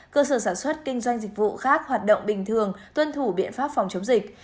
cơ sở sản xuất kinh doanh dịch vụ khác hoạt động bình thường tuân thủ biện pháp phòng chống dịch